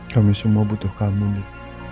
kami semua butuh kamu nih